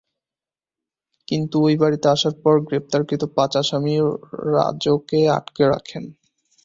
কিন্তু ওই বাড়িতে আসার পর গ্রেপ্তারকৃত পাঁচ আসামি রাজকে আটকে রাখেন।